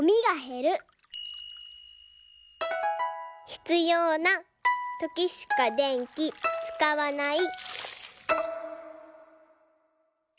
「ひつようなときしか電気使わない」